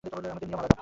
আমাদের নিয়ম আলাদা।